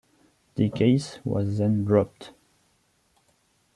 The case was then dropped.